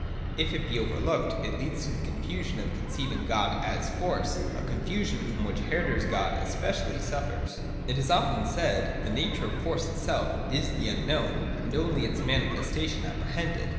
If it be overlooked, it leads to the confusion of con ceiving God as Force, a confusion from which Herder's God especially suffers. 248 THE DOCTRINE OF ESSENCE. [136 It is often said that the nature of Force itself is un known and only its manifestation apprehended.